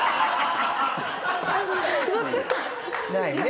ないね。